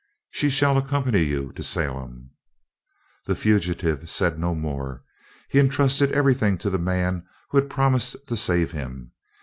"She shall accompany you to Salem." The fugitive said no more. He entrusted everything to the man who had promised to save him.